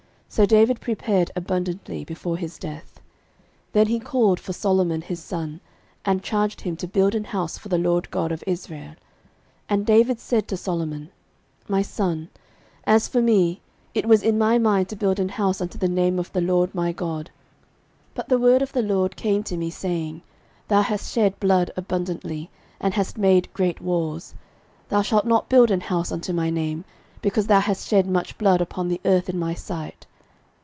So David prepared abundantly before his death. 13:022:006 Then he called for Solomon his son, and charged him to build an house for the LORD God of Israel. 13:022:007 And David said to Solomon, My son, as for me, it was in my mind to build an house unto the name of the LORD my God: 13:022:008 But the word of the LORD came to me, saying, Thou hast shed blood abundantly, and hast made great wars: thou shalt not build an house unto my name, because thou hast shed much blood upon the earth in my sight.